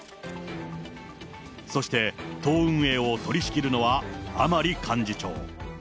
そして、党運営を取り仕切るのは甘利幹事長。